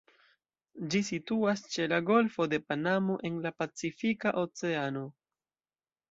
Ĝi situas ĉe la Golfo de Panamo en la Pacifika Oceano.